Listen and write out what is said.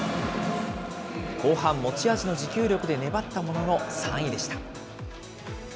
後半、持ち味の持久力で粘ったものの３位でした。